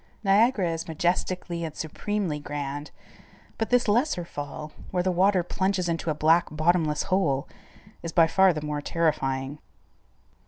Niagara is majestically and supremely grand, but this lesser fall, where the water plunges into a black bottomless hole, is by far the more terrifying.